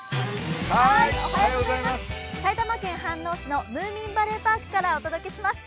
埼玉県飯能市のムーミンバレーパークからお届けします。